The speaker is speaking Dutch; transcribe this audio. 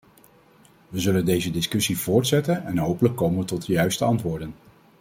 We zullen deze discussie voortzetten en hopelijk komen we tot de juiste antwoorden.